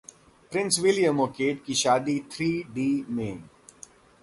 Prince William और Kate की शादी थ्री डी में